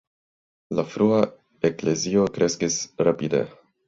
La frua Eklezio kreskis rapide.